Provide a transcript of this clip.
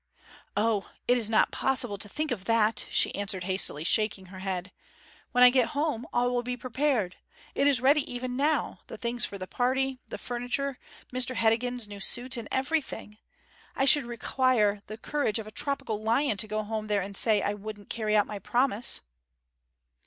'O, it is not possible to think of that!' she answered hastily, shaking her head. 'When I get home all will be prepared it is ready even now the things for the party, the furniture, Mr. Heddegan's new suit, and everything. I should require the courage of a tropical lion to go home there and say I wouldn't carry out my promise!'